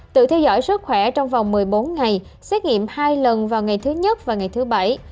tự theo dõi sức khỏe trong vòng một mươi bốn ngày xét nghiệm hai lần vào ngày thứ nhất và ngày thứ bảy